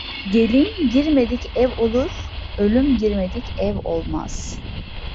Gelin girmedik ev olur, ölüm girmedik ev olmaz.